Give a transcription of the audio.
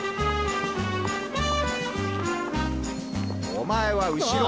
お前は後ろ。